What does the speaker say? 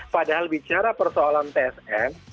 padahal bicara persoalan tsm